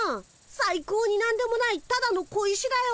さい高になんでもないただの小石だよ。